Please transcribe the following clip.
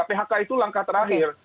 phk itu langkah terakhir